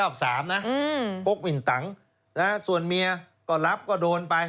โป๊ะวิ่นตังส่วนเมียรับก็โดนไป